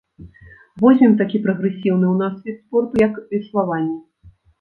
Возьмем такі прагрэсіўны ў нас від спорту, як веславанне.